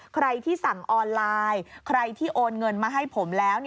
ใครที่สั่งออนไลน์ใครที่โอนเงินมาให้ผมแล้ว